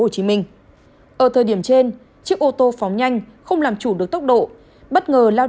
xin chào các bạn